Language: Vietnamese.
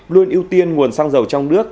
luôn ưu tiên nguồn xăng dầu trong nước